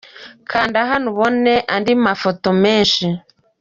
Kanda hano ubone andi mafoto menshi.